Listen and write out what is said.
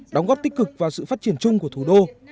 đóng góp tích cực vào sự phát triển chung của thủ đô